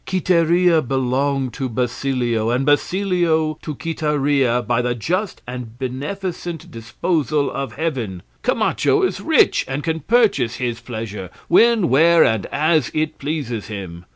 Quiteria belonged to Basilio and Basilio to Quiteria by the just and beneficent disposal of heaven. Camacho is rich, and can purchase his pleasure when, where, and as it pleases him.